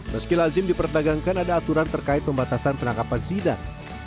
meski lazim diperdagangkan ada aturan terkait pembatasan penangkapan sidar